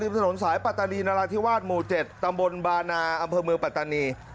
ถนนสายปัตตานีนราธิวาสหมู่๗ตำบลบานาอำเภอเมืองปัตตานี